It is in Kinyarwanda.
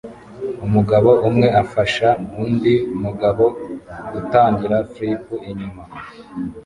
Umugabo umwe afasha undi mugabo gutangira flip inyuma